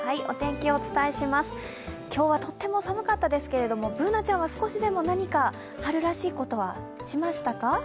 お伝えします、今日はとっても寒かったですけどＢｏｏｎａちゃんは少しでも何か春らしいことはしましたか？